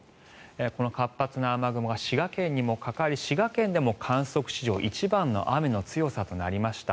この活発な雨雲が滋賀県にもかかり滋賀県でも観測史上一番の強さの雨となりました。